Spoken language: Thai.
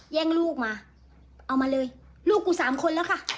แย่งลูกมาเอามาเลยลูกกูสามคนแล้วค่ะ